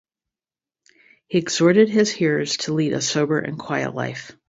He exhorted his hearers to lead a sober and quiet life.